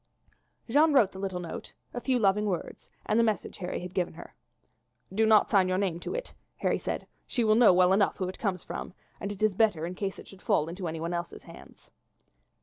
Jeanne wrote the little note a few loving words, and the message Harry had given her. "Do not sign your name to it," Harry said; "she will know well enough who it comes from, and it is better in case it should fall into anyone else's hands."